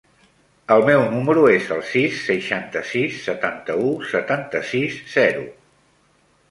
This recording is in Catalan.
El meu número es el sis, seixanta-sis, setanta-u, setanta-sis, zero.